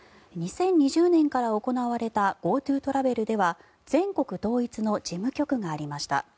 ２０２０年から行われたＧｏＴｏトラベルでは全国統一の事務局がありました。